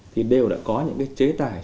thì đều đã có những cái chế tài